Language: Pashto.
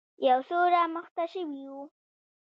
يو څه رامخته شوی و.